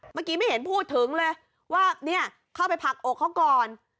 เมื่อกี้ไม่เห็นพูดถึงเลยว่าเนี่ยเข้าไปผลักอกเขาก่อน